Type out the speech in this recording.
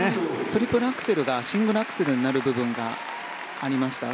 トリプルアクセルがシングルアクセルになる部分がありました。